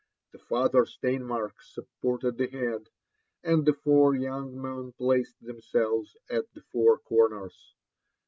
The father Steinmark supported the head, and the four young men placed themselves at the four corners.